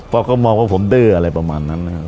เพราะเขามองว่าผมดื้ออะไรประมาณนั้นนะครับ